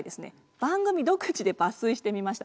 番組独自で抜粋してみました。